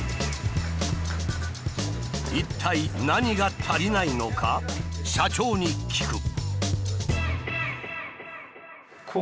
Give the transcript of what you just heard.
一体何が足りないのか社長に聞く。